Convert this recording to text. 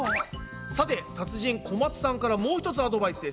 さて達人小松さんからもうひとつアドバイスです。